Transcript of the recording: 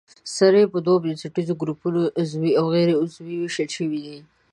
سرې په دوو بنسټیزو ګروپونو عضوي او غیر عضوي ویشل شوې دي.